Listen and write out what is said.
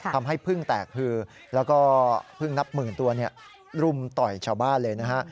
พึ่งแตกฮือแล้วก็พึ่งนับหมื่นตัวรุมต่อยชาวบ้านเลยนะฮะ